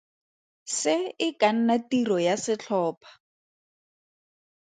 Se e ka nna tiro ya setlhopha.